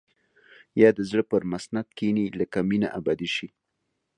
يا د زړه پر مسند کښيني لکه مينه ابدي شي.